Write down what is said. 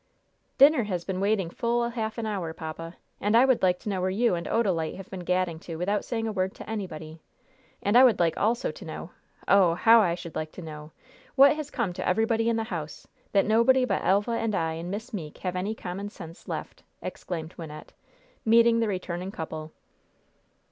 "Dinner has been waiting full half an hour, papa. And I would like to know where you and Odalite have been gadding to without saying a word to anybody. And I would like also to know oh! how I should like to know what has come to everybody in the house, that nobody but Elva and I and Miss Meeke have any common sense left!" exclaimed Wynnette, meeting the returning couple.